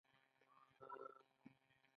له سرکښو بدوي قبایلو سره یې مبارزه وکړه